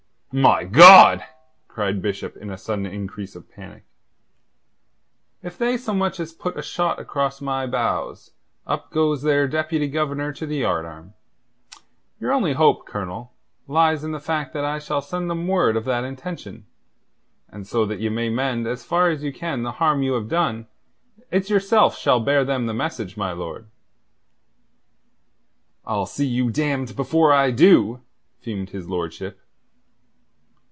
"My God!" cried Bishop in a sudden increase of panic. "If they so much as put a shot across my bows, up goes their Deputy Governor to the yardarm. Your only hope, Colonel, lies in the fact that I shall send them word of that intention. And so that you may mend as far as you can the harm you have done, it's yourself shall bear them the message, my lord." "I'll see you damned before I do," fumed his lordship.